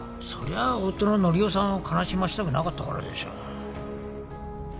そりゃ夫の則夫さんを悲しませたくなかったからでしょ。